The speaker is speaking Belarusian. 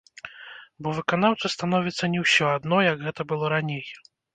Бо выканаўцу становіцца не ўсё адно, як гэта было раней.